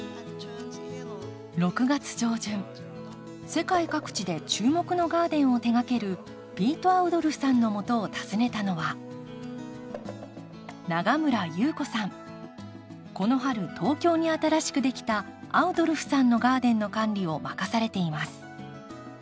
世界各地で注目のガーデンを手がけるピート・アウドルフさんのもとを訪ねたのはこの春東京に新しくできたアウドルフさんのガーデンの管理を任されています。